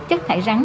chất thải rắn